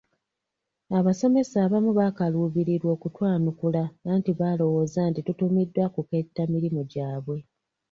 Abasomesa abamu baakaluubirirwa okutwanukula anti baalowooza nti tutumiddwa ku kketta mirimo gyabwe.